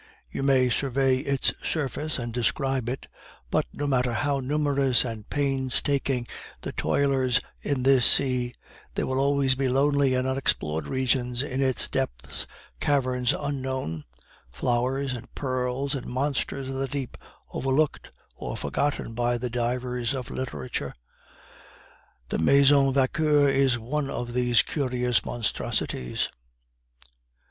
You may survey its surface and describe it; but no matter how numerous and painstaking the toilers in this sea, there will always be lonely and unexplored regions in its depths, caverns unknown, flowers and pearls and monsters of the deep overlooked or forgotten by the divers of literature. The Maison Vauquer is one of these curious monstrosities.